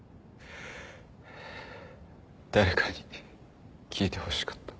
誰かに聞いてほしかった。